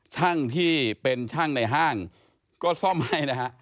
ช่างที่เป็นช่างในห้างก็ซ่อมให้นะฮะ